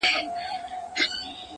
له زلمو شونډو موسكا ده كوچېدلې-